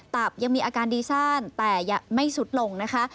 ตับยังมีอาการดีซ่านแต่ยังไม่สุดลงนะคะ